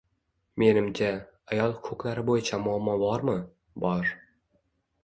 Menimcha, ayol huquqlari bo‘yicha muammo bormi, bor.